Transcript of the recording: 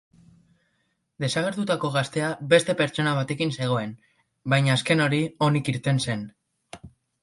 Desagertutako gaztea beste pertsona batekin zegoen, baina azken hori onik irten zen.